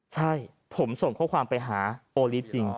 ใช่ผมส่งข้อความไปหาโอลิสจริง